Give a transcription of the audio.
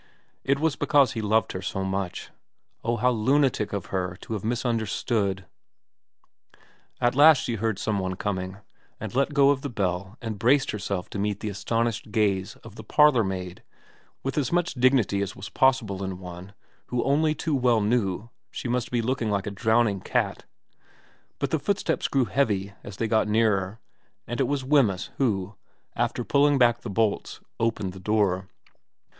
It was because he loved her so much. ... Oh, how lunatic of her to have misunderstood ! At last she heard some one coming, and she let go of the bell and braced herself to meet the astonished gaze of the parlourmaid with as much dignity as was possible in one who only too well knew she must be looking like a drowning cat, but the footsteps grew heavy as they got nearer, and it was Wemyss who, after pulling back the bolts, opened the door.